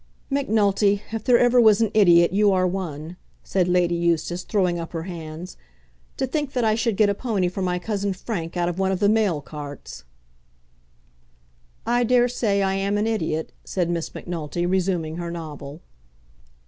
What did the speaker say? "Macnulty, if there ever was an idiot you are one!" said Lady Eustace, throwing up her hands. "To think that I should get a pony for my cousin Frank out of one of the mail carts." "I daresay I am an idiot," said Miss Macnulty, resuming her novel.